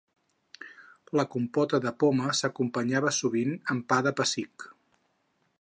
La compota de poma s'acompanyava sovint amb pa de pessic.